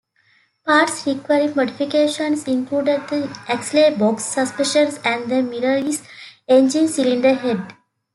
Parts requiring modifications included the axle box suspension and the Mirlees engine cylinder head.